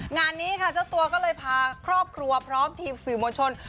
งานนี้ตัวเรามาพาครอบครัวพร้อมทีมสื่อโมชน